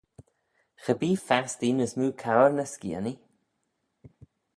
Cha bee fastee ny smoo cour ny skianee?